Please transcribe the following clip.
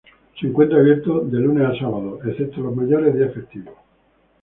Se encuentra abierto de lunes a sábados excepto los mayores días festivos.